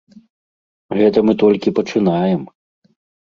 Гэта мы толькі пачынаем!